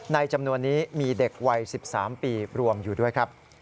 จำนวนนี้มีเด็กวัย๑๓ปีรวมอยู่ด้วยครับ